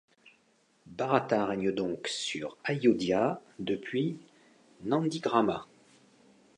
Bharata règne donc sur Ayodhya depuis Nandigrama.